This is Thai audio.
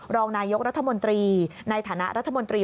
รองนายกรัฐมนตรีในฐานะรัฐมนตรี